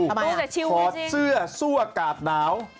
ทำไมล่ะดูแต่ชิลไหมจริงขอดเสื้อซั่วกาบหนาว